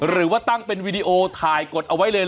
หรือว่าตั้งเป็นวีดีโอถ่ายกดเอาไว้เลย